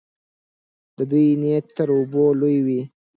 د دوی تنده تر اوبو لویه وه.